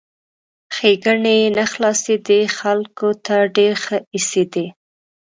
ښېګڼې یې نه خلاصېدې ، خلکو ته ډېر ښه ایسېدی!